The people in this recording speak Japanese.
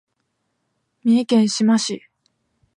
三重県志摩市